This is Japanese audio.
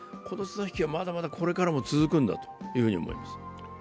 この綱引きは、まだまだこれからも続くんだと思います。